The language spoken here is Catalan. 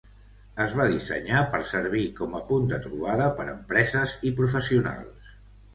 Es va dissenyar per servir com a punt de trobada per empreses i professionals.